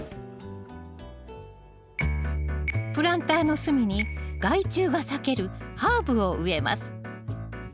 プランターの隅に害虫が避けるハーブを植えます